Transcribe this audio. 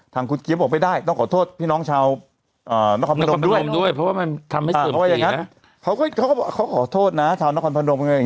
ทางคุณเกี๊ยมบอกว่าไม่ได้ต้องขอโทษพี่น้องชาวนครพนมด้วย